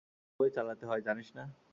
কীভাবে চালাতে হয় জানিস না?